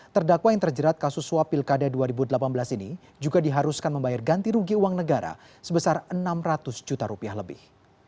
terdakwa yang terjerat kasus suap pilkada dua ribu delapan belas ini juga diharuskan membayar ganti rugi uang negara sebesar enam ratus juta rupiah lebih